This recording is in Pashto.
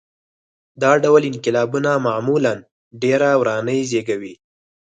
دا ډول انقلابونه معمولاً ډېرې ورانۍ زېږوي.